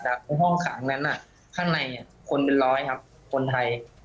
แต่ห้องขังนั้นข้างในคนเป็นร้อยครับคนไทย